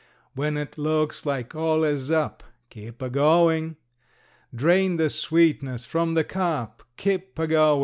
When it looks like all is up, Keep a goin'! Drain the sweetness from the cup, Keep a goin'!